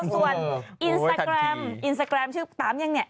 ส่วนอินสตาแรมชื่อตามยังไง